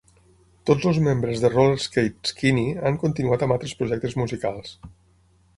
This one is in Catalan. Tots els membres de Rollerskate Skinny han continuat amb altres projectes musicals.